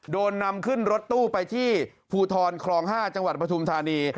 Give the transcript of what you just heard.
โดนนำขึ้นรถตู้ไปที่ภูทรคลอง๕จังหวัดปฐุมธานี